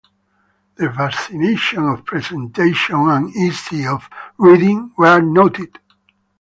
The fascination of presentation and ease of reading were noted.